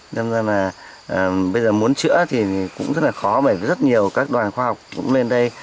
nên ra là bây giờ muốn chữa thì cũng rất là khó bởi rất nhiều các đoàn khoa học cũng lên đây